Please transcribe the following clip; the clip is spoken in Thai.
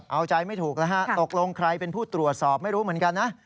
เอาใจไม่ถูกแล้วฮะตกลงใครเป็นผู้ตรวจสอบไม่รู้เหมือนกันนะ